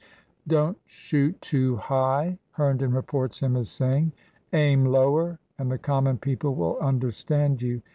"Don't shoot too high," Herndon reports him as saying. "Aim lower, and the common people will understand you.